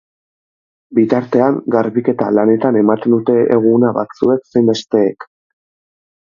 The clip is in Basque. Bitartean, garbiketa lanetan eman dute eguna batzuek zein besteek.